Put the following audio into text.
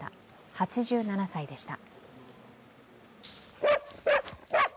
８７歳でした。